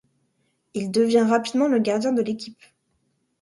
Il devient rapidement le gardien de l'équipe.